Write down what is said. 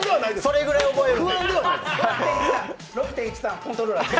それくらい覚える。